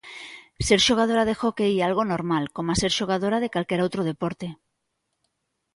Ser xogadora de hóckey é algo normal, como ser xogadora de calquera outro deporte.